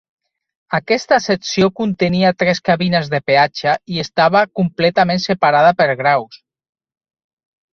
Aquesta secció contenia tres cabines de peatge i estava completament separada per graus.